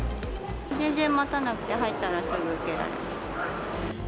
全然待たなくて、入ったらすぐ受けられました。